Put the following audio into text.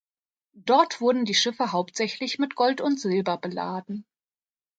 Dort wurden die Schiffe hauptsächlich mit Gold und Silber beladen.